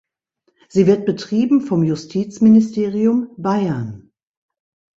Sie wird betrieben vom Justizministerium Bayern.